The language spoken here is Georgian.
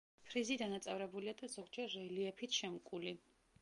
ფრიზი დანაწევრებულია და ზოგჯერ რელიეფით შემკული.